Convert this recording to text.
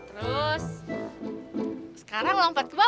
terus sekarang lompat ke bawah